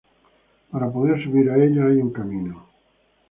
Para poder subir a ella hay un camino.